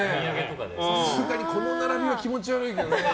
さすがに、この並びは気持ち悪いけどね。